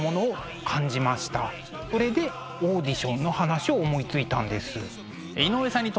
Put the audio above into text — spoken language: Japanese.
それでオーディションの話を思いついたんです。